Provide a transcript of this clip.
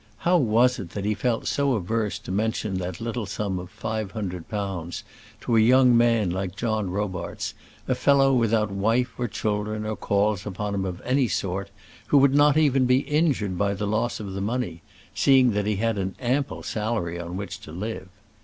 How was it that he felt so averse to mention that little sum of £500 to a young man like John Robarts, a fellow without wife or children or calls on him of any sort, who would not even be injured by the loss of the money, seeing that he had an ample salary on which to live?